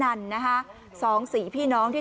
กลับบื้อไม่มีที่เอาเลย